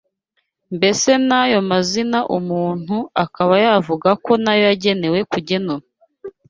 mbese n’ayo mazina umuntu akaba yavuga ko nayo yagenewe kugenura